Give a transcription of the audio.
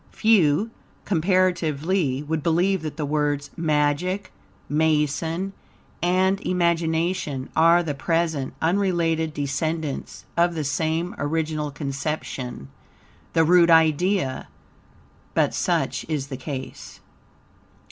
Few, comparatively, would believe that the words MAGIC, MASON, and IMAGINATION, are the present unrelated descendants of the same original conception THE ROOT IDEA; but such is the case.